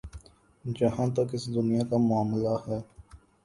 جہاں تک اس دنیا کا معاملہ ہے۔